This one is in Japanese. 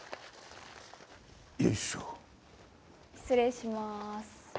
失礼します。